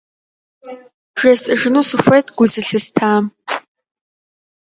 Я хотел бы поделиться одним наблюдением.